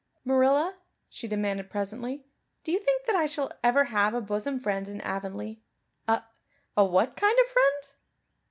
"Marilla," she demanded presently, "do you think that I shall ever have a bosom friend in Avonlea?" "A a what kind of friend?"